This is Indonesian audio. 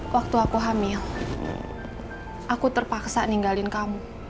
waktu aku hamil aku terpaksa ninggalin kamu